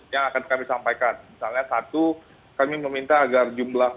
yang akan kami sampaikan misalnya satu kami meminta agar jumlah